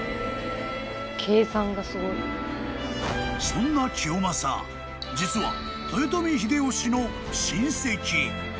［そんな清正実は豊臣秀吉の親戚］